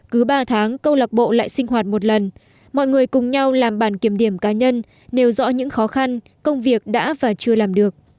cứ ba tháng câu lạc bộ lại sinh hoạt một lần mọi người cùng nhau làm bản kiểm điểm cá nhân nêu rõ những khó khăn công việc đã và chưa làm được